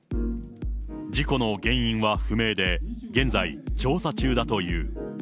事故の原因は不明で、現在、調査中だという。